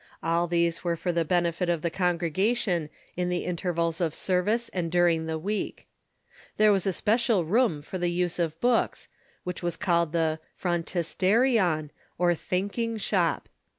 All these were for the benefit of the congregation in the intervals of service and during the week. There was a special room for the use of books, which was called the Phrontisterion, or thinking shop.